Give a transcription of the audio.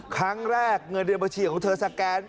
ครั้งแรกเงินเดียวบัญชีของเธอสแกน